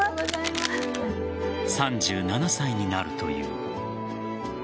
３７歳になるという。